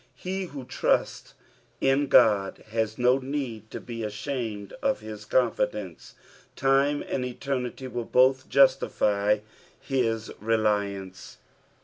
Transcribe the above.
He who trusts in God has do need to be ashamed of his confidence, time and eternity will both justify his reliance.